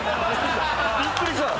びっくりした。